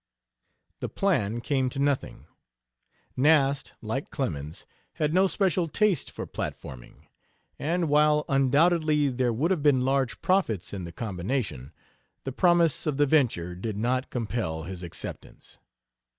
The plan came to nothing. Nast, like Clemens, had no special taste for platforming, and while undoubtedly there would have been large profits in the combination, the promise of the venture did not compel his acceptance.